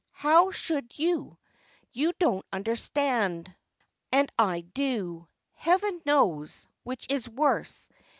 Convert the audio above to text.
How should you ? You don't understand, and I do, Heaven knows — which is worse.